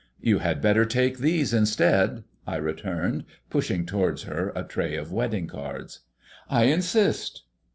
"You had better take these instead," I returned, pushing towards her a tray of wedding cards. "I insist."